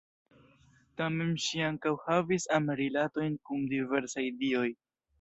Tamen, ŝi ankaŭ havis am-rilatojn kun diversaj dioj.